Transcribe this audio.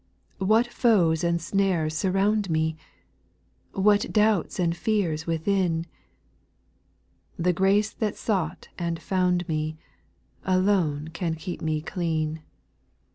What foes and snares surround me I What doubts and fears within I The grace that sought and found me, Alone can keep me clean.